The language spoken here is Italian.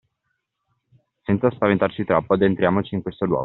Senza spaventarci troppo, addentriamoci in questo luogo!